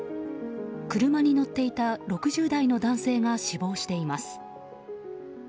車に乗っていた６０代の男性が死亡しています。